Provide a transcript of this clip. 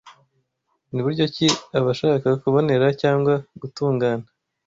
Ni buryo ki abashaka kubonera cyangwa gutungana